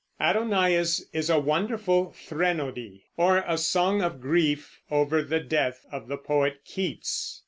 Adonais is a wonderful threnody, or a song of grief, over the death of the poet Keats.